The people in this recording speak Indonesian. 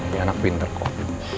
ini anak pinter kok